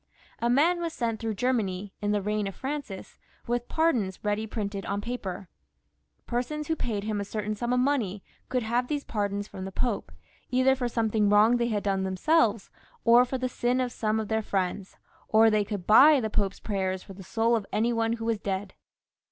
A man was sent through Germany, in the reign of Francis, with pardons ready printed on paper. Any one who paid him a certain sum of money could have one of these pardons from the Pope, either for something wrong they had done them selves, or for some sin of some of their Mends, or they oould buy the Pope's prayers for the jsoul of any one who was dead.